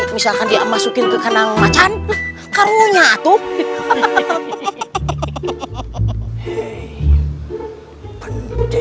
misalkan dia masukin ke kanan macan karunya atuh hehehe hehehe hehehe hehehe